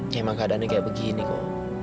emang keadaannya kayak begini kok